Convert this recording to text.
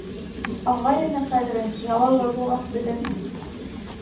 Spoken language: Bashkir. Ағай-эне ҡәҙерен ялалы булғас белерһең.